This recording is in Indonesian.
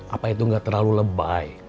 apa itu nggak terlalu lebay